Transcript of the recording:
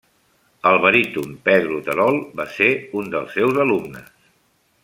El baríton Pedro Terol va ser un dels seus alumnes.